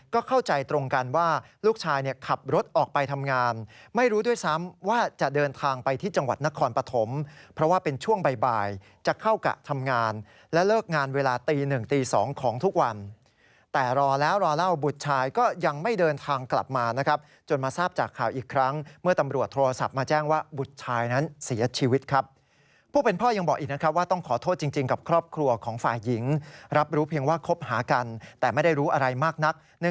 ก็เข้าใจตรงกันว่าลูกชายเนี่ยขับรถออกไปทำงานไม่รู้ด้วยซ้ำว่าจะเดินทางไปที่จังหวัดนครปฐมเพราะว่าเป็นช่วงบ่ายจะเข้ากับทำงานและเลิกงานเวลาตีหนึ่งตีสองของทุกวันแต่รอแล้วรอเล่าบุษชายก็ยังไม่เดินทางกลับมานะครับจนมาทราบจากข่าวอีกครั้งเมื่อตำรวจโทรศัพท์มาแจ้งว่าบุษชายนั้นเส